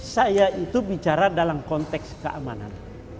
saya itu bicara dalam konteks keamanan